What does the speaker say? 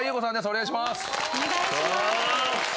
お願いします。